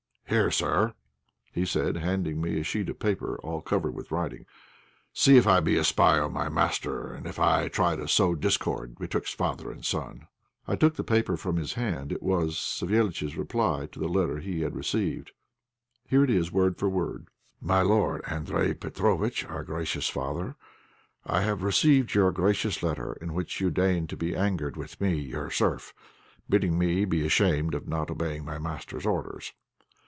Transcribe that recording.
"Here, sir," said he, handing me a sheet of paper all covered with writing, "see if I be a spy on my master, and if I try to sow discord betwixt father and son." I took the paper from his hand; it was Savéliitch's reply to the letter he had received. Here it is word for word "My lord, Andréj Petróvitch, our gracious father, I have received your gracious letter, in which you deign to be angered with me, your serf, bidding me be ashamed of not obeying my master's orders.